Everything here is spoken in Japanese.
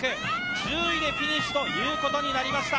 １０位でフィニッシュということになりました。